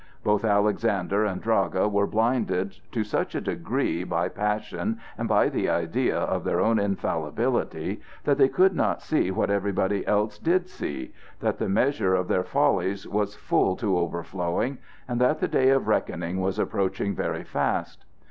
Both Alexander and Draga were blinded to such a degree by passion and by the idea of their own infallibility that they could not see what everybody else did see—that the measure of their follies was full to overflowing, and that the day of reckoning was approaching very fast.